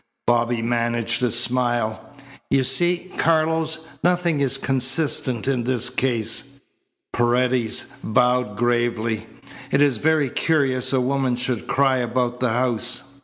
Bobby managed a smile. "You see, Carlos, nothing is consistent in this case." Paredes bowed gravely. "It is very curious a woman should cry about the house."